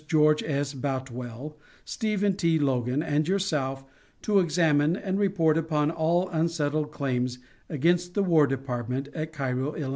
George S. Boutwell, Stephen T. Logan, and yourself, to examine and report upon all unsettled claims against the War Department, at Cairo, Ill.